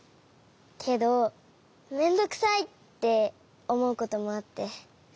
けどめんどくさいっておもうこともあって。